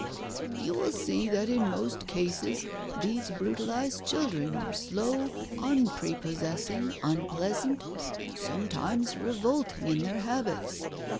you will see that in most cases these brutalized children are slow, unprepossessing, unpleasant and sometimes revolting in their habits.